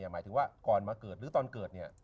หมายถึงว่าก่อนมาเกิดหรือตอนเกิดเนี่ย